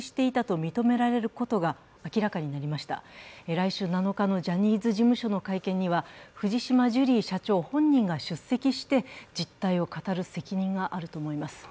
来週７日のジャニーズ事務所の会見には藤島ジュリー社長本人が出席して実態を語る責任があると思います。